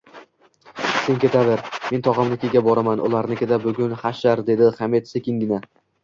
Sen ketaver, men tog‘amnikiga boraman, ularnikida bugun hashar, dedi Hamid sekingina